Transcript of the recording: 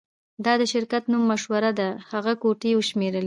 دا د شرکت د نوم مشوره ده هغې ګوتې وشمیرلې